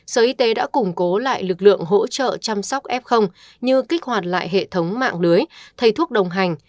sở y tế đã củng cố lại lực lượng hỗ trợ chăm sóc f như kích hoạt lại hệ thống mạng lưới thay thuốc đồng hành